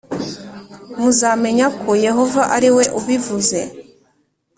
Muzamenya ko Yehova ariwe ubivuze